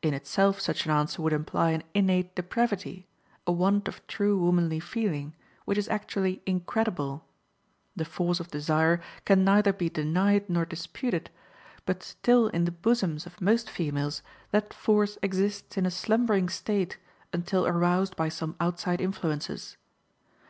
In itself such an answer would imply an innate depravity, a want of true womanly feeling, which is actually incredible. The force of desire can neither be denied nor disputed, but still in the bosoms of most females that force exists in a slumbering state until aroused by some outside influences.